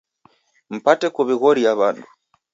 Mpate kuw'ighoria w'andu